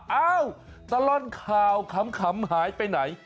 เอ้าตลอดข่าวขำหายไปไหน